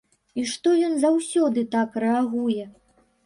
І што ён заўсёды так рэагуе.